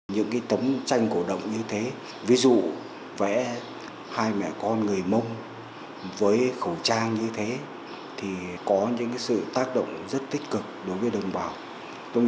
những tấm tranh cổ động như thế ví dụ vẽ hai mẹ con người mông với khẩu trang như thế thì có những sự tác động rất tích cực đối với đồng bào